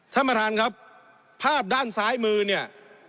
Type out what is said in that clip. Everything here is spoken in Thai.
ท่านประธานครับภาพด้านซ้ายมือเนี่ย